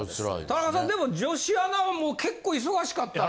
田中さんでも女子アナは結構忙しかった。